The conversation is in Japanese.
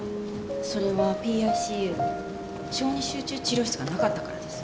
それはＰＩＣＵ小児集中治療室がなかったからです。